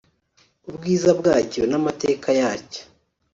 ubwiza bwacyo n’amateka yacyo